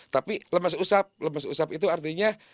tapi lepas usap lepas usap itu artinya